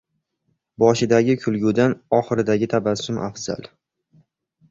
• Boshidagi kulgudan oxiridagi tabassum afzal.